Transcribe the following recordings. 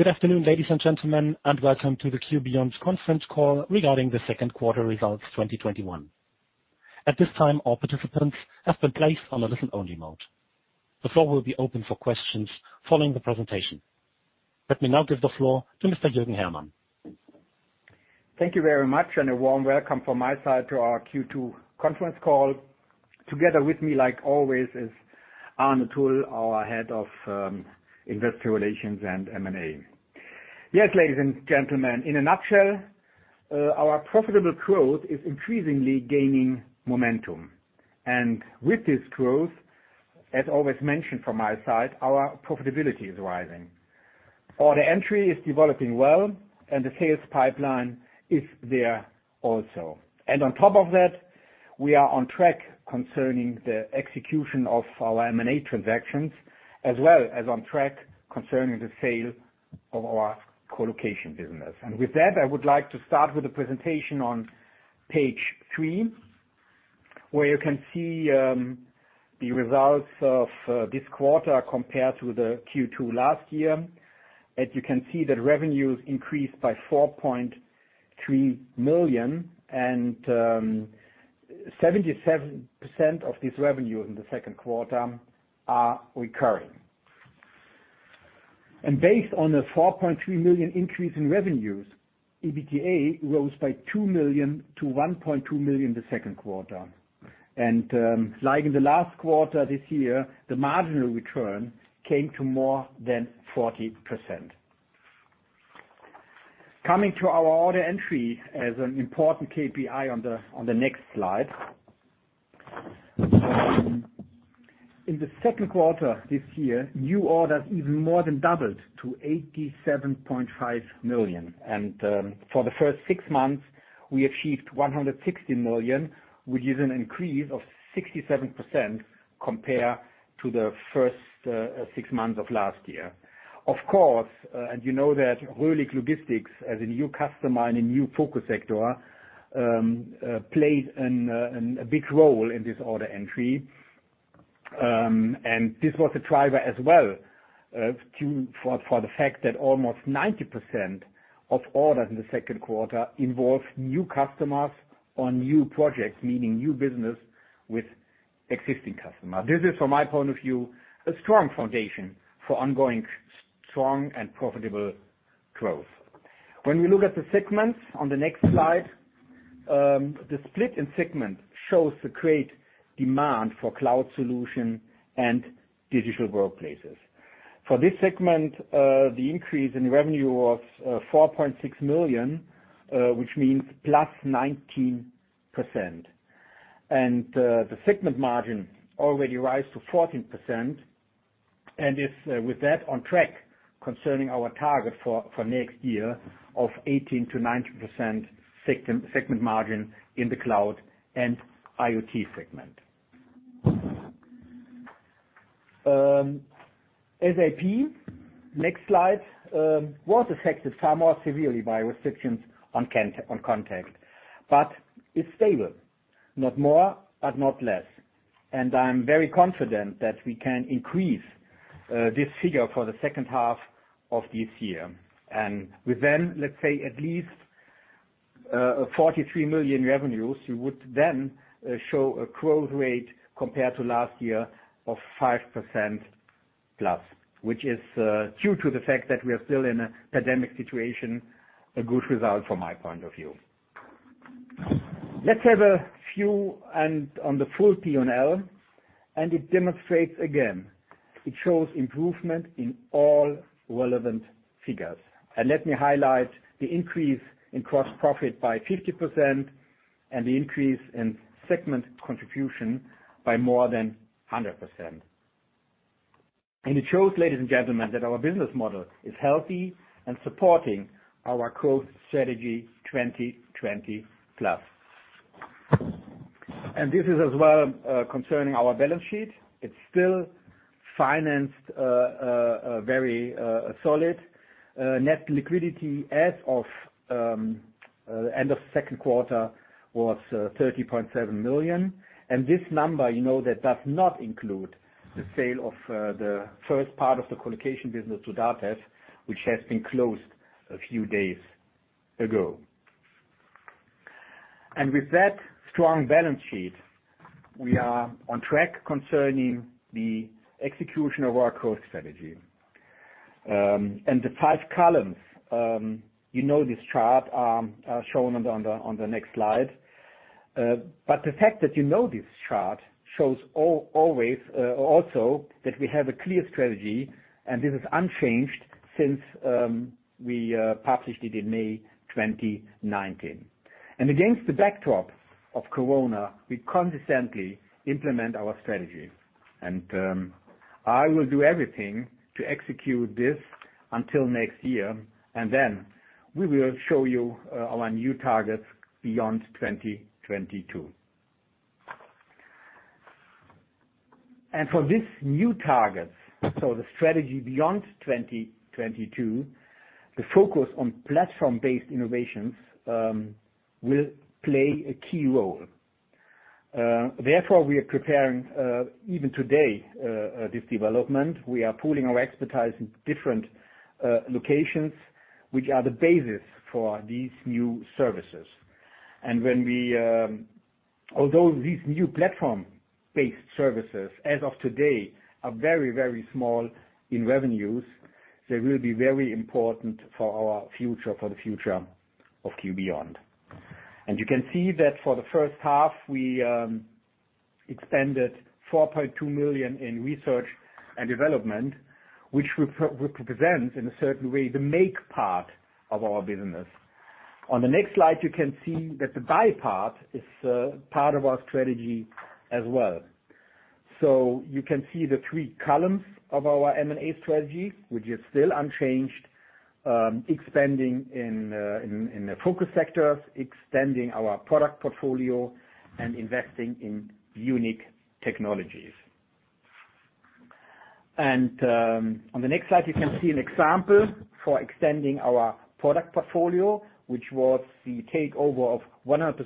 Good afternoon, ladies and gentlemen, and welcome to the q.beyond conference call regarding the second quarter results 2021. At this time, all participants have been placed on a listen-only mode. The floor will be open for questions following the presentation. Let me now give the floor to Mr. Jürgen Hermann. Thank you very much, a warm welcome from my side to our Q2 conference call. Together with me, like always, is Arne Thull, our Head of Investor Relations and M&A. Ladies and gentlemen, in a nutshell, our profitable growth is increasingly gaining momentum. With this growth, as always mentioned from my side, our profitability is rising. Order entry is developing well, and the sales pipeline is there also. On top of that, we are on track concerning the execution of our M&A transactions, as well as on track concerning the sale of our colocation business. With that, I would like to start with the presentation on page three, where you can see the results of this quarter compared to the Q2 last year. You can see that revenues increased by 4.3 million, and 77% of this revenue in the second quarter are recurring. Based on the 4.3 million increase in revenues, EBITDA rose by 2 million-1.2 million in the second quarter. Like in the last quarter this year, the marginal return came to more than 40%. Coming to our order entry as an important KPI on the next slide. In the second quarter this year, new orders even more than doubled to 87.5 million. For the first six months, we achieved 160 million, which is an increase of 67% compared to the first six months of last year. Of course, you know that Röhlig Logistics, as a new customer and a new focus sector, played a big role in this order entry. This was a driver as well for the fact that almost 90% of orders in the second quarter involve new customers or new projects, meaning new business with existing customers. This is, from my point of view, a strong foundation for ongoing strong and profitable growth. When we look at the segments on the next slide, the split in segment shows the great demand for cloud solution and digital workplaces. For this segment, the increase in revenue was 4.6 million, which means +19%. The segment margin already rise to 14% and is with that on track concerning our target for next year of 18%-19% segment margin in the Cloud & IoT segment. SAP, next slide, was affected far more severely by restrictions on contact, but it's stable, not more and not less. I am very confident that we can increase this figure for the second half of this year. With then, let's say at least 43 million revenues, we would then show a growth rate compared to last year of 5%+. Which is due to the fact that we are still in a pandemic situation, a good result from my point of view. Let's have a view and on the full P&L. It demonstrates again. It shows improvement in all relevant figures. Let me highlight the increase in gross profit by 50% and the increase in segment contribution by more than 100%. It shows, ladies and gentlemen, that our business model is healthy and supporting our growth strategy 2020plus. This is as well concerning our balance sheet. It's still financed very solid. Net liquidity as of end of second quarter was 30.7 million. This number, you know that does not include the sale of the first part of the colocation business to DATEV, which has been closed a few days ago. With that strong balance sheet, we are on track concerning the execution of our growth strategy. The five columns, you know this chart shown on the next slide. The fact that you know this chart shows also that we have a clear strategy, and this is unchanged since we published it in May 2019. Against the backdrop of corona, we consistently implement our strategy. I will do everything to execute this until next year. We will show you our new targets beyond 2022. For this new target, so the strategy beyond 2022, the focus on platform-based innovations will play a key role. Therefore, we are preparing, even today, this development. We are pooling our expertise in different locations, which are the basis for these new services. Although these new platform-based services, as of today, are very, very small in revenues, they will be very important for our future, for the future of q.beyond. You can see that for the first half, we expanded 4.2 million in research and development, which represents, in a certain way, the make part of our business. On the next slide, you can see that the buy part is part of our strategy as well. You can see the three columns of our M&A strategy, which is still unchanged, expanding in the focus sectors, extending our product portfolio, and investing in unique technologies. On the next slide, you can see an example for extending our product portfolio, which was the takeover of 100%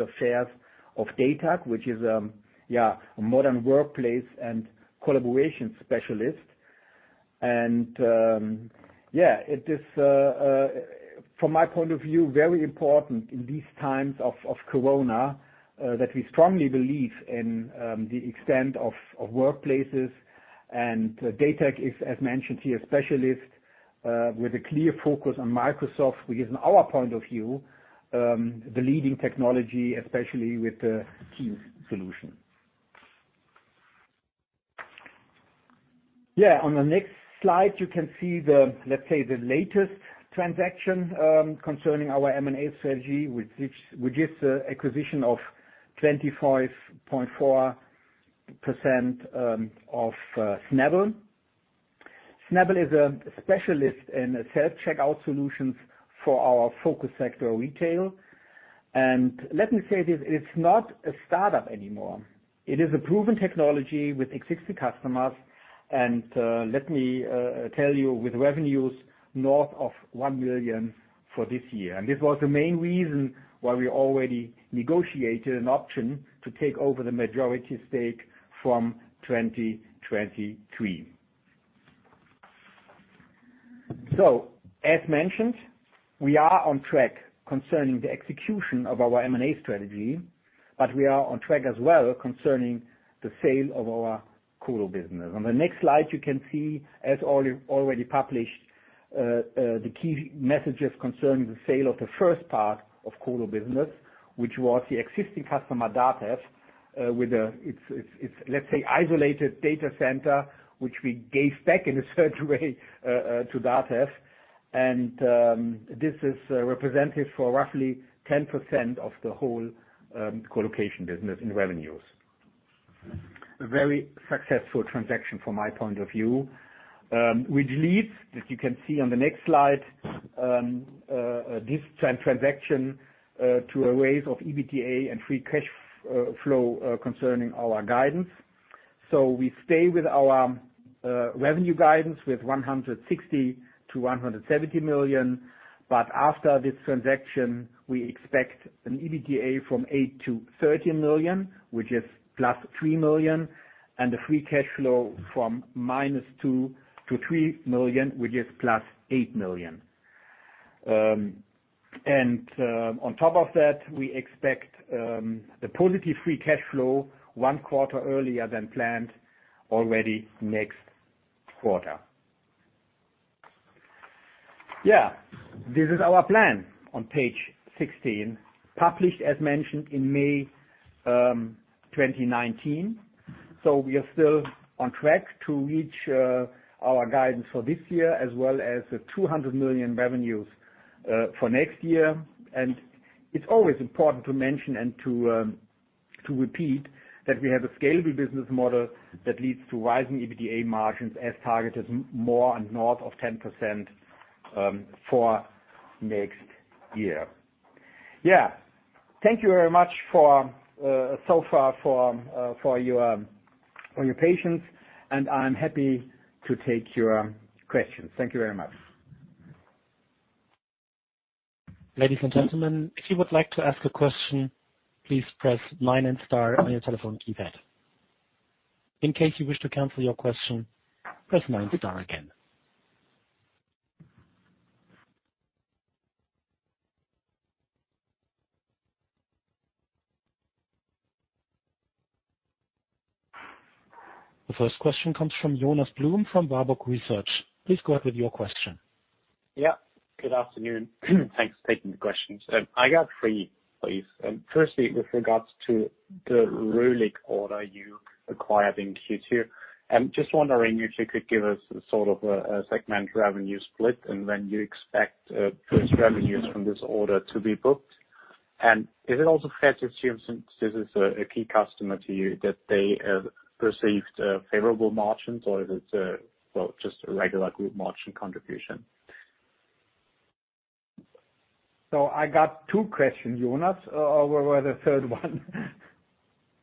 of shares of datac, which is a modern workplace and collaboration specialist. It is, from my point of view, very important in these times of corona that we strongly believe in the extent of workplaces, and datac is, as mentioned here, specialist with a clear focus on Microsoft, which is in our point of view, the leading technology, especially with the Teams solution. On the next slide, you can see the latest transaction concerning our M&A strategy with this acquisition of 25.4% of Snabble. Snabble is a specialist in self-checkout solutions for our focus sector retail. Let me say this, it's not a startup anymore. It is a proven technology with existing customers, let me tell you, with revenues north of 1 million for this year. This was the main reason why we already negotiated an option to take over the majority stake from 2023. As mentioned, we are on track concerning the execution of our M&A strategy, but we are on track as well concerning the sale of our colo business. On the next slide, you can see as already published, the key messages concerning the sale of the first part of colo business, which was the existing customer DATEV with its, let's say, isolated data center, which we gave back in a certain way to DATEV. This is representative for roughly 10% of the whole colocation business in revenues. A very successful transaction from my point of view, which leads, as you can see on the next slide, this transaction to a raise of EBITDA and free cash flow concerning our guidance. We stay with our revenue guidance with 160 million-170 million, but after this transaction, we expect an EBITDA from 8 million-13 million, which is 3+ million, and the free cash flow from -2 million to 3 million, which is 8+ million. On top of that, we expect the positive free cash flow one quarter earlier than planned already next quarter. This is our plan on page 16, published as mentioned in May 2019. We are still on track to reach our guidance for this year as well as the 200 million revenues for next year. It's always important to mention and to repeat that we have a scalable business model that leads to rising EBITDA margins as targeted more and north of 10% for next year. Thank you very much so far for your patience, and I'm happy to take your questions. Thank you very much. Ladies and gentlemen if you would like to ask a question please press nine and star on your telephone keypad. Incase you wish to cancel your question press nine to dial again. The first question comes from Jonas Blum from Warburg Research. Please go ahead with your question. Yeah, good afternoon. Thanks for taking the questions. I got three, please. Firstly, with regards to the Röhlig order you acquired in Q2. Just wondering if you could give us a segment revenue split and when you expect first revenues from this order to be booked. Is it also fair to assume, since this is a key customer to you, that they have received favorable margins, or is it just a regular group margin contribution? I got two questions, Jonas. Where were the third one?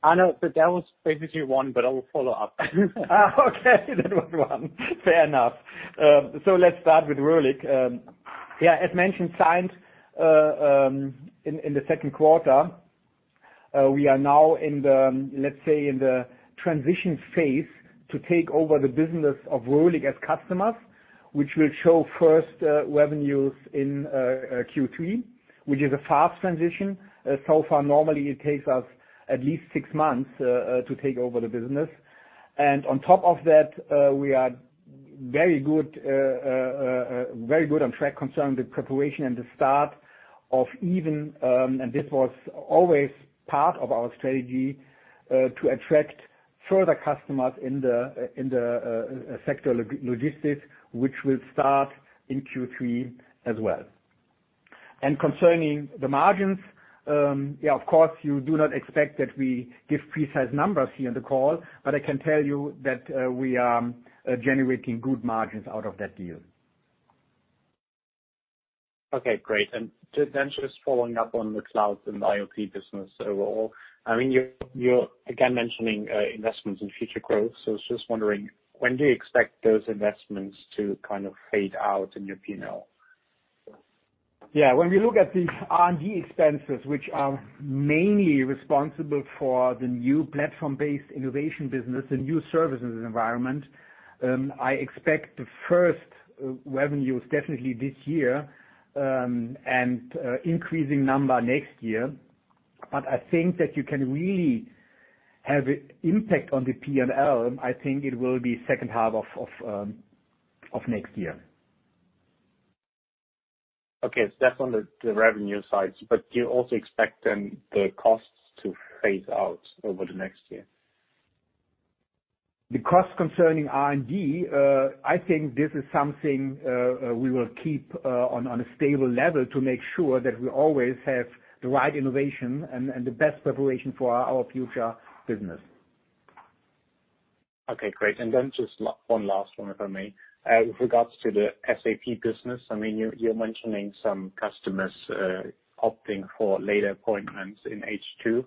I know, but that was basically one, but I will follow up. That was one. Fair enough. Let's start with Röhlig. Yeah, as mentioned, signed in the second quarter. We are now in the, let's say, in the transition phase to take over the business of Röhlig as customers, which will show first revenues in Q3, which is a fast transition. Normally it takes us at least six months to take over the business. On top of that, we are very good on track concerning the preparation and the start of even, and this was always part of our strategy, to attract further customers in the sector logistics, which will start in Q3 as well. Concerning the margins, yeah, of course, you do not expect that we give precise numbers here in the call, but I can tell you that we are generating good margins out of that deal. Okay, great. Just following up on the cloud and the IoT business overall. You're again mentioning investments in future growth. I was just wondering, when do you expect those investments to fade out in your P&L? Yeah. When we look at the R&D expenses, which are mainly responsible for the new platform-based innovation business, the new services environment, I expect the first revenues definitely this year, and increasing number next year. I think that you can really have impact on the P&L, I think it will be second half of next year. Okay. That's on the revenue side. Do you also expect then the costs to phase out over the next year? The cost concerning R&D, I think this is something we will keep on a stable level to make sure that we always have the right innovation and the best preparation for our future business. Okay, great. Just one last one, if I may. With regards to the SAP business, you're mentioning some customers opting for later appointments in H2.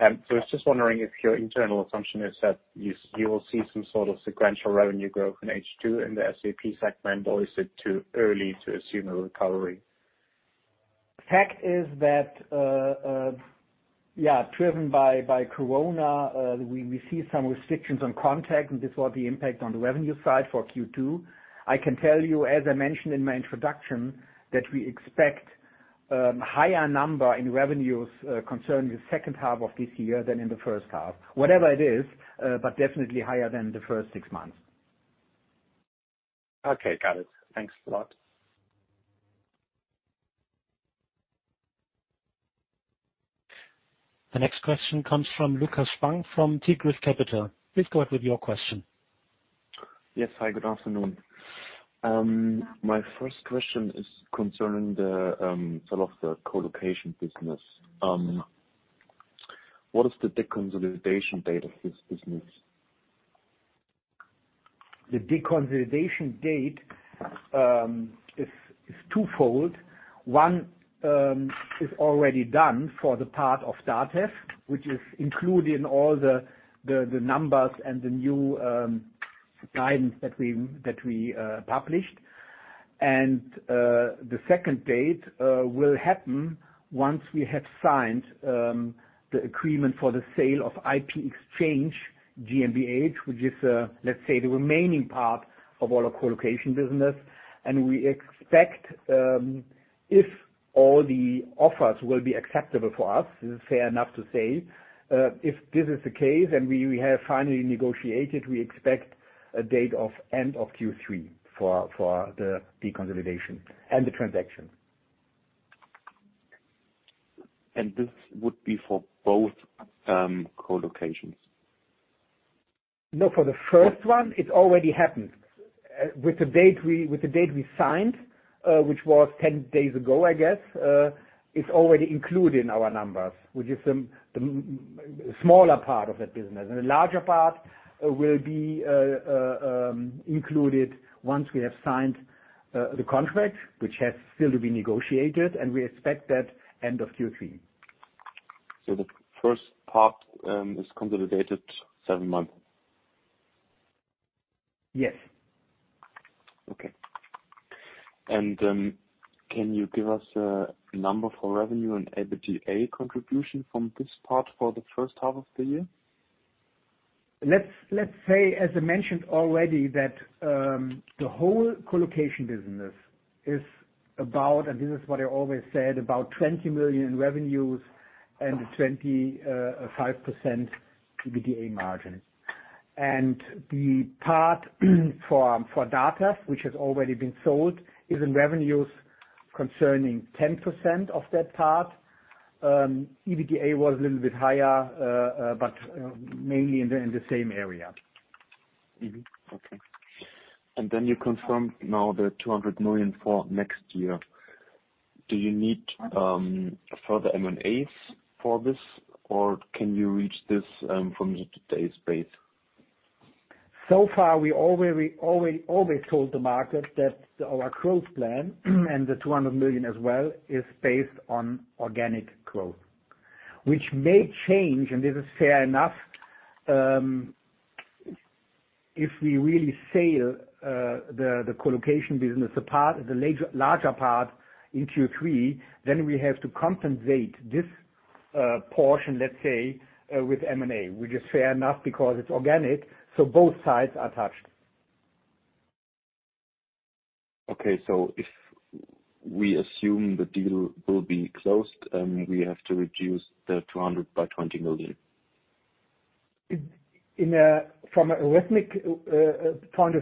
I was just wondering if your internal assumption is that you will see some sort of sequential revenue growth in H2 in the SAP segment, or is it too early to assume a recovery? Fact is that driven by corona, we see some restrictions on contact, and this was the impact on the revenue side for Q2. I can tell you, as I mentioned in my introduction, that we expect higher number in revenues concerning the second half of this year than in the first half. Whatever it is, but definitely higher than the first six months. Okay, got it. Thanks a lot. The next question comes from Lukas Spang from Tigris Capital. Please go ahead with your question. Yes. Hi, good afternoon. My first question is concerning the colocation business. What is the deconsolidation date of this business? The deconsolidation date is twofold. One is already done for the part of DATEV, which is included in all the numbers and the new guidance that we published. The second date will happen once we have signed the agreement for the sale of IP Exchange GmbH, which is, let's say, the remaining part of all our colocation business. We expect, if all the offers will be acceptable for us, is it fair enough to say, if this is the case and we have finally negotiated, we expect a date of end of Q3 for the deconsolidation and the transaction. This would be for both colocations? No, for the first one, it already happened. With the date we signed, which was 10 days ago, I guess, it's already included in our numbers, which is the smaller part of that business. The larger part will be included once we have signed the contract, which has still to be negotiated, and we expect that end of Q3. The first part is consolidated seven months? Yes. Okay. Can you give us a number for revenue and EBITDA contribution from this part for the first half of the year? Let's say, as I mentioned already, that the whole colocation business is about, and this is what I always said, about 20 million in revenues and a 25% EBITDA margin. The part for DATEV, which has already been sold, is in revenues concerning 10% of that part. EBITDA was a little bit higher, but mainly in the same area. Okay. You confirmed now the 200 million for next year. Do you need further M&As for this, or can you reach this from today's base? So far, we always told the market that our growth plan, and the 200 million as well, is based on organic growth, which may change. This is fair enough, if we really sell the colocation business, the larger part in Q3. We have to compensate this portion, let's say, with M&A, which is fair enough because it's organic. Both sides are touched. If we assume the deal will be closed, then we have to reduce the 200 by 20 million? From a arithmetic point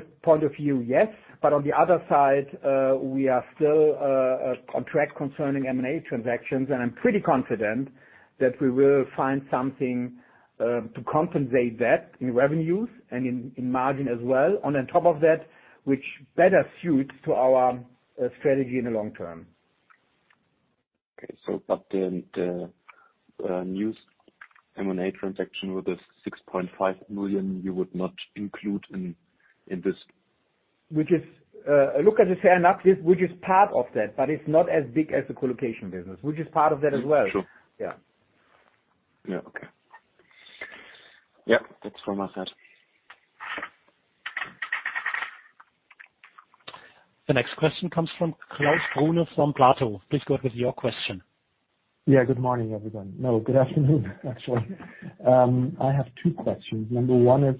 of view, yes. On the other side, we are still a contract concerning M&A transactions, and I'm pretty confident that we will find something to compensate that in revenues and in margin as well, and on top of that, which better suits to our strategy in the long term. Okay. The new M&A transaction with the 6.5 million you would not include in this? Look at it fair enough, which is part of that, but it's not as big as the colocation business, which is part of that as well. Sure. Yeah. Yeah. Okay. Yeah, that's from my side. The next question comes from Klaus Brune from PLATOW. Please go ahead with your question. Yeah. Good morning, everyone. No, good afternoon, actually. I have two questions. Number one is,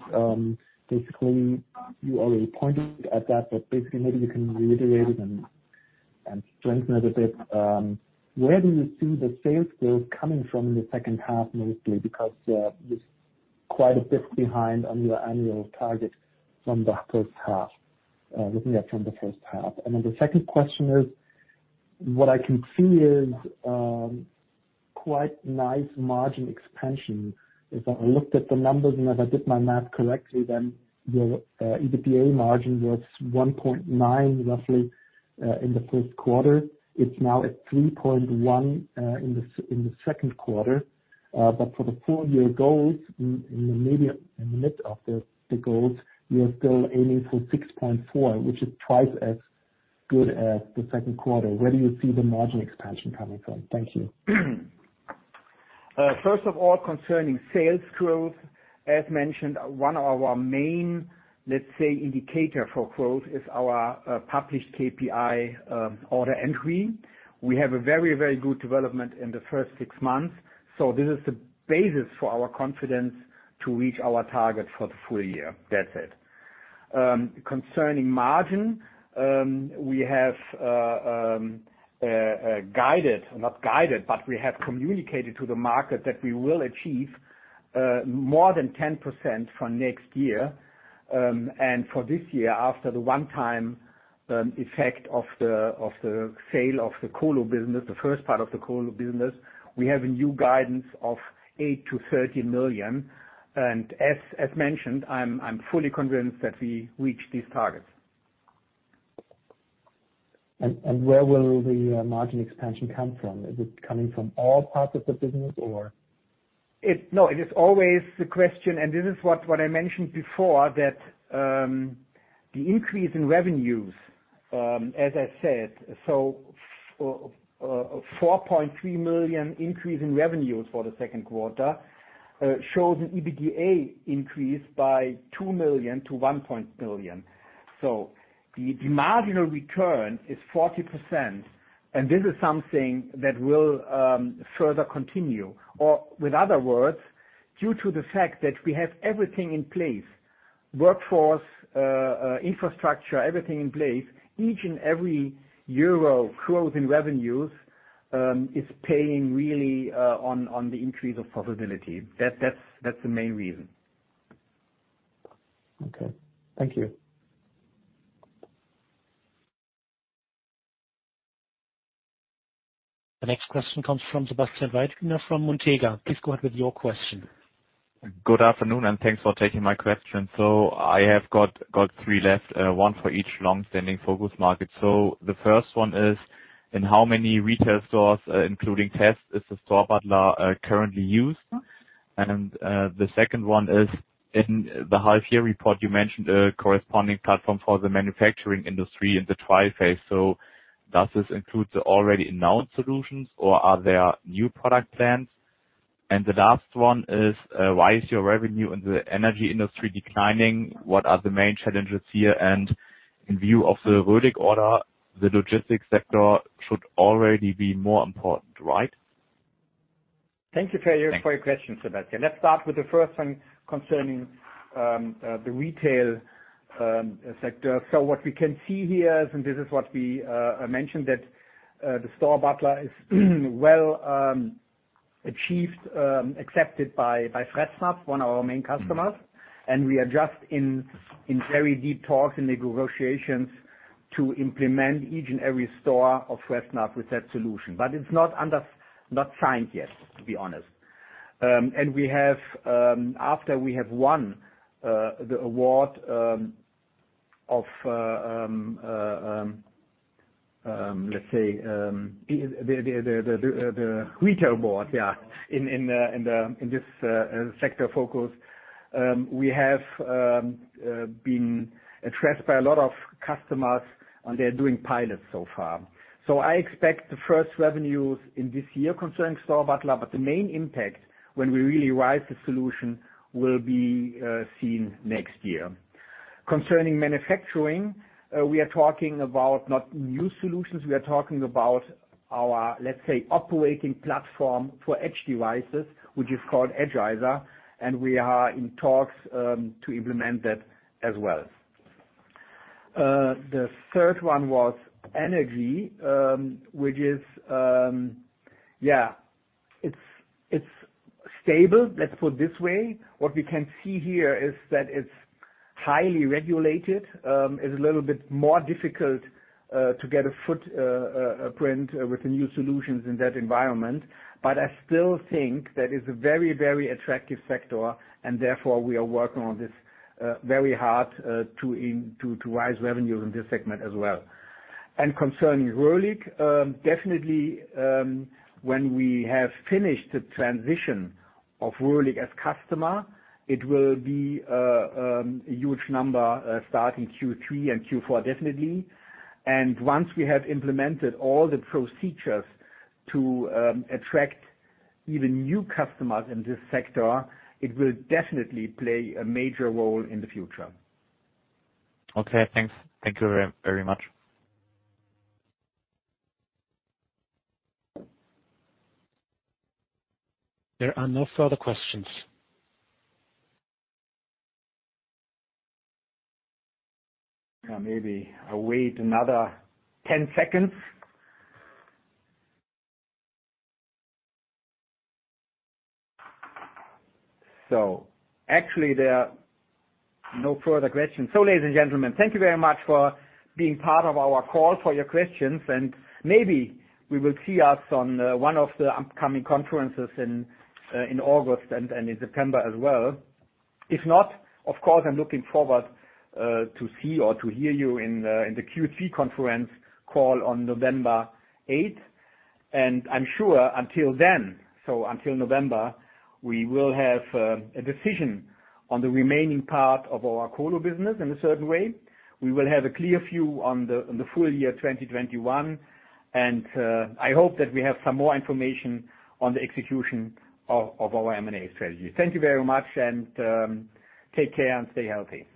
basically, you already pointed at that, but basically maybe you can reiterate it and strengthen it a bit. Where do you see the sales growth coming from in the second half, mostly because you're quite a bit behind on your annual target from the first half? The second question is, what I can see is quite nice margin expansion. If I looked at the numbers, and if I did my math correctly, then your EBITDA margin was 1.9%, roughly, in the first quarter. It's now at 3.1% in the second quarter. For the full year goals, in the mid of the goals, you are still aiming for 6.4%, which is twice as good as the second quarter. Where do you see the margin expansion coming from? Thank you. First of all, concerning sales growth, as mentioned, one of our main, let's say, indicator for growth is our published KPI order entry. We have a very good development in the first six months. This is the basis for our confidence to reach our target for the full year. That's it. Concerning margin, we have guided, not guided, but we have communicated to the market that we will achieve more than 10% for next year. For this year, after the one-time effect of the sale of the colo business, the first part of the colo business, we have a new guidance of 8 million-13 million. As mentioned, I'm fully convinced that we reach these targets. Where will the margin expansion come from? Is it coming from all parts of the business or? It is always the question, and this is what I mentioned before, that the increase in revenues, as I said, 4.3 million increase in revenues for the second quarter, shows an EBITDA increase by 2 million-1 .2 million. The marginal return is 40%, and this is something that will further continue. With other words, due to the fact that we have everything in place, workforce, infrastructure, everything in place, each and every euro growth in revenues is paying really on the increase of profitability. That's the main reason. Okay. Thank you. The next question comes from Sebastian Weidhüner from Montega. Please go ahead with your question. Good afternoon, and thanks for taking my question. I have got three left, one for each long-standing focus market. The first one is, in how many retail stores, including tests, is the StoreButler currently used? The second one is, in the half-year report, you mentioned a corresponding platform for the manufacturing industry in the trial phase. Does this include the already announced solutions, or are there new product plans? The last one is, why is your revenue in the energy industry declining? What are the main challenges here? In view of the Röhlig order, the logistics sector should already be more important, right? Thank you for your question, Sebastian. Let's start with the first one concerning the retail sector. What we can see here is, and this is what we mentioned, that the StoreButler is well accepted by Fressnapf, one of our main customers, and we are just in very deep talks in the negotiations to implement each and every store of Fressnapf with that solution. It's not signed yet, to be honest. After we have won the award of, let's say, the Retail Board, yeah, in this sector focus. We have been addressed by a lot of customers, and they're doing pilots so far. I expect the first revenues in this year concerning StoreButler, but the main impact when we really rise the solution will be seen next year. Concerning manufacturing, we are talking about not new solutions. We are talking about our, let's say, operating platform for edge devices, which is called Edgizer, and we are in talks to implement that as well. The third one was energy, it's stable, let's put it this way. What we can see here is that it's highly regulated. It's a little bit more difficult to get a footprint with the new solutions in that environment. I still think that it's a very attractive sector, and therefore we are working on this very hard to rise revenues in this segment as well. Concerning Röhlig, definitely when we have finished the transition of Röhlig as customer, it will be a huge number starting Q3 and Q4 definitely. Once we have implemented all the procedures to attract even new customers in this sector, it will definitely play a major role in the future. Okay, thanks. Thank you very much. There are no further questions. Maybe I'll wait another 10 seconds. Actually, there are no further questions. Ladies and gentlemen, thank you very much for being part of our call, for your questions, and maybe we will see you on one of the upcoming conferences in August and in September as well. If not, of course, I'm looking forward to see or to hear you in the Q3 conference call on November 8th. I'm sure until then, until November, we will have a decision on the remaining part of our colo business in a certain way. We will have a clear view on the full year 2021, and I hope that we have some more information on the execution of our M&A strategy. Thank you very much, and take care and stay healthy.